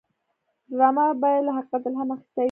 ډرامه باید له حقیقت الهام اخیستې وي